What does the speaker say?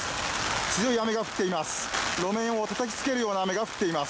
強い雨が降っています。